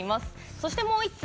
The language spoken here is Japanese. そして、もう１通。